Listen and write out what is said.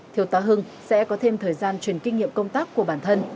thiếu tá hưng sẽ có thêm thời gian truyền kinh nghiệm công tác của bản thân